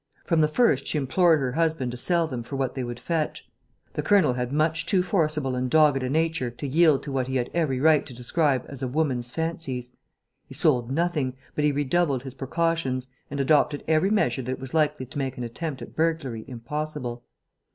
From the first she implored her husband to sell them for what they would fetch. The Colonel had much too forcible and dogged a nature to yield to what he had every right to describe as a woman's fancies. He sold nothing, but he redoubled his precautions and adopted every measure that was likely to make an attempt at burglary impossible.